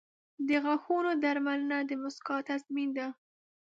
• د غاښونو درملنه د مسکا تضمین ده.